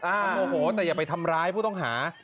มันโมโหแต่อย่าไปทำร้ายผู้ต้องหา